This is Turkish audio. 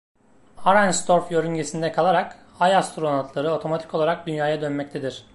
Arenstorf yörüngesinde kalarak, ay astronotları otomatik olarak Dünya'ya dönmektedir.